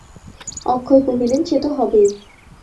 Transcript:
অক্ষয় কহিলেন, সে তো হবেই।